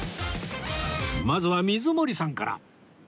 まずは水森さんから